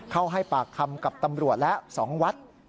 เข้าให้ปากคำกับตำรวจและสองวัด